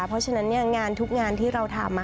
เพราะฉะนั้นงานทุกงานที่เราทำ